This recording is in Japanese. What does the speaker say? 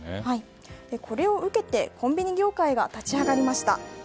これを受けて、コンビニ業界が立ち上がりました。